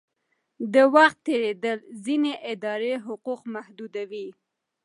د وخت تېرېدل ځینې اداري حقوق محدودوي.